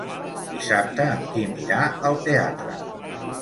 Dissabte en Quim irà al teatre.